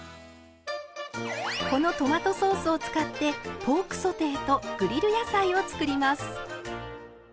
このトマトソースを使ってポークソテーとグリル野菜を作ります。